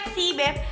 jelek sih beb